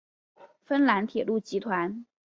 芬兰铁路集团。